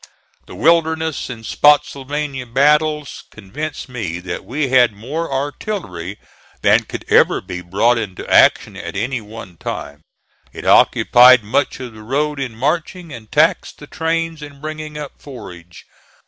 The Wilderness and Spottsylvania battles convinced me that we had more artillery than could ever be brought into action at any one time. It occupied much of the road in marching, and taxed the trains in bringing up forage.